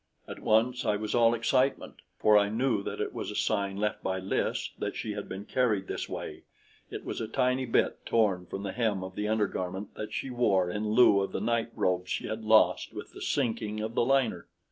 At once I was all excitement, for I knew that it was a sign left by Lys that she had been carried this way; it was a tiny bit torn from the hem of the undergarment that she wore in lieu of the night robes she had lost with the sinking of the liner.